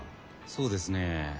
そうですね。